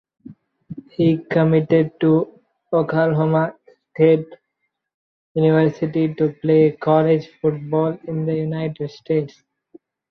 He committed to Oklahoma State University to play college football in the United States.